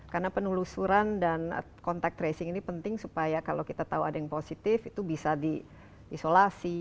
karena penelusuran dan contact tracing ini penting supaya kalau kita tahu ada yang positif itu bisa diisolasi